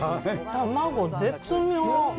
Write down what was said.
卵絶妙。